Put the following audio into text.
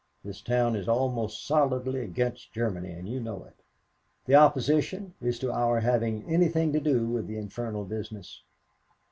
This town is almost solidly against Germany, and you know it. The opposition is to our having anything to do with the infernal business.